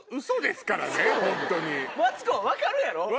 マツコは分かるやろ？